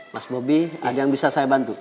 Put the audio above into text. mas bobi ada yang bisa saya bantu